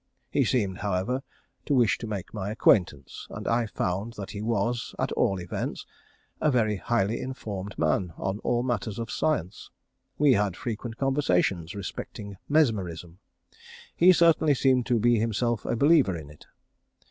He seemed, however, to wish to make my acquaintance, and I found that he was, at all events, a very highly informed man on all matters of science. We had frequent conversations respecting mesmerism. He certainly seemed to be himself a believer in it.